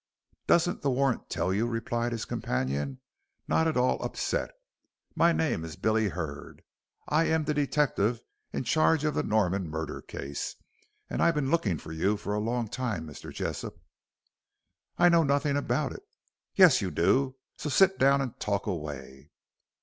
"Doesn't the warrant tell you," replied his companion, not at all upset. "My name is Billy Hurd. I am the detective in charge of the Norman murder case. And I've been looking for you for a long time, Mr. Jessop." "I know nothing about it." "Yes, you do; so sit down and talk away."